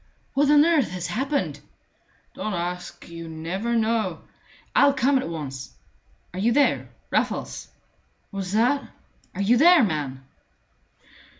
"What on earth has happened?" "Don't ask! You never know " "I'll come at once. Are you there, Raffles?" "What's that?" "Are you there, man?"